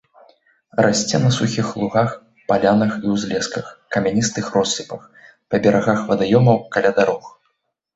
Расце на сухіх лугах, палянах і ўзлесках, камяністых россыпах, па берагах вадаёмаў, каля дарог.